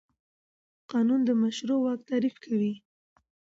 قانون د مشروع واک تعریف کوي.